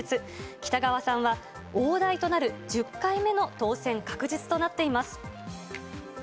北側さんは大台となる１０回目の当選確実となっています。